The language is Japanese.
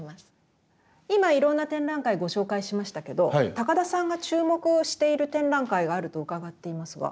今いろんな展覧会ご紹介しましたけど高田さんが注目をしている展覧会があると伺っていますが。